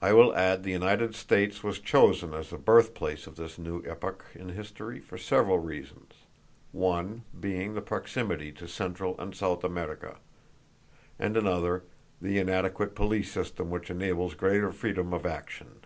I will add the United States was chosen as the birthplace of this new epoch in history for several reasons, one being the proximity to Central and South America; and another the inadequate police system which enables greater freedom of action."